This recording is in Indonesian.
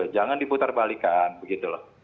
jangan diputar balikan begitu loh